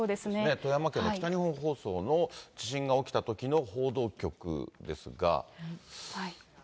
富山県の北日本放送の地震が起きたときの報道局ですが。